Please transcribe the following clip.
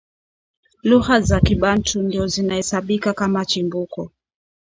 Lugha za kibantu ndio zinahesabika kama chimbuko